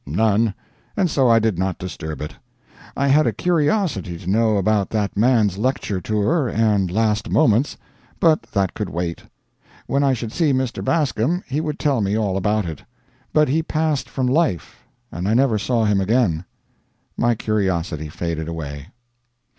None and so I did not disturb it. I had a curiosity to know about that man's lecture tour and last moments, but that could wait. When I should see Mr. Bascom he would tell me all about it. But he passed from life, and I never saw him again.. My curiosity faded away.